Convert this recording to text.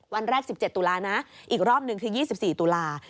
วันแรก๑๗ตุลานะอีกรอบหนึ่งคือ๒๔ตุลา